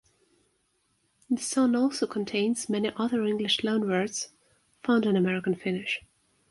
The song also contains many other English loanwords found in American Finnish.